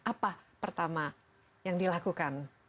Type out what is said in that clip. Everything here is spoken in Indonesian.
apa pertama yang dilakukan